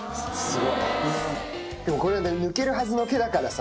でもこれ抜けるはずの毛だからさ。